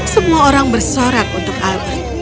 semua orang bersorak untuk alur